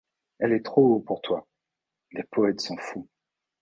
Elle est trop haut pour toi. Les poètes sont fous.